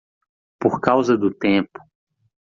Por causa do tempo